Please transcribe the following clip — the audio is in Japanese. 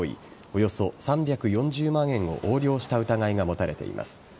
およそ３４０万円を横領した疑いが持たれています。